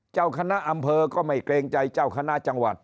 เจ้าคณะอำเภอก็ไม่เกรงใจเจ้าคณะจังหวัด